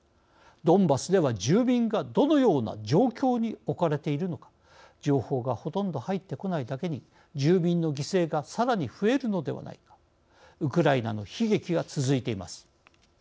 ドンバスでは住民がどのような状況に置かれているのか情報がほとんど入ってこないだけに住民の犠牲がさらに増えるのではないかウクライナの悲劇が続いています。